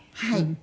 はい。